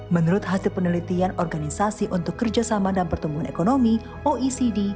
menurut hasil penelitian organisasi untuk kerjasama dan pertumbuhan ekonomi oecd